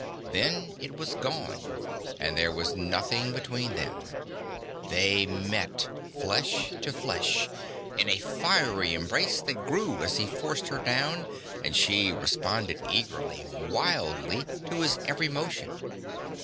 Then it was gone and there was nothing between them. They met, flesh to flesh, in a fiery embrace that grew as he forced her down and she responded eagerly, wildly, to his every motion.